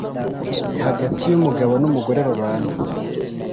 hagati yumugabo numugore babana